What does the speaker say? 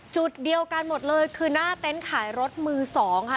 จุดเดียวกันหมดเลยคือหน้าเต็นต์ขายรถมือสองค่ะ